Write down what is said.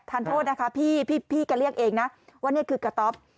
โทษนะคะพี่พี่แกเรียกเองนะว่านี่คือกระต๊อป